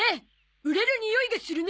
売れるにおいがするね。